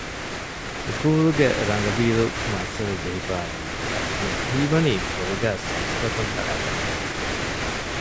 ސުކޫލުގެ ރަނގަބީލު މައްސަލަ ޖެހިފައި އިނުމުގެ ސަބަބުން ހީވަނީ ބޮލުގައި ސަމުސަލަކުން ތަޅައިގަންނަހެން